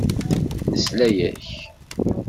Nesla-ak.